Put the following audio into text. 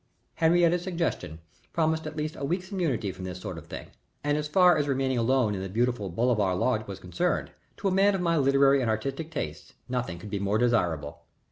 Henriette's suggestion promised at least a week's immunity from this sort of thing, and as far as remaining alone in the beautiful Bolivar Lodge was concerned, to a man of my literary and artistic tastes nothing could be more desirable.